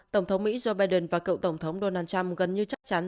tổng thống mỹ joe biden và cựu tổng thống donald trump gần như chắc chắn